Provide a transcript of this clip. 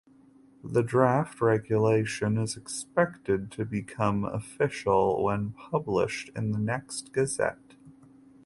The draft regulation is expected to become official when published in the next gazette.